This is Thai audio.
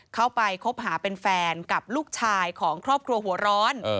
เข้าไปคบหาเป็นแฟนกับลูกชายของครอบครัวหัวร้อน